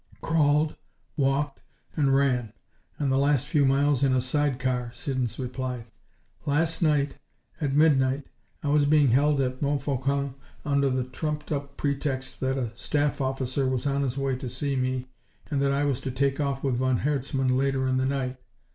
"Crawled, walked and ran, and the last few miles in a side car," Siddons replied. "Last night, at midnight, I was being held at Montfaucon under the trumped up pretext that a staff officer was on his way down to see me and that I was to take off with von Herzmann later in the night.